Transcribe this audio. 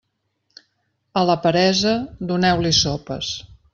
A la peresa, doneu-li sopes.